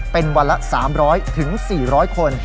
เป็นวันละ๓๐๐๔๐๐คน